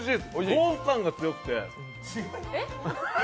豆腐感が強くて。